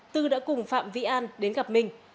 tư đã cùng phạm vĩ an đến gặp minh